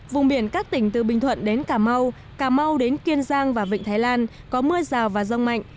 vùng biển các tỉnh từ bình thuận đến cà mau cà mau đến kiên giang và vịnh thái lan có mưa rào và rông mạnh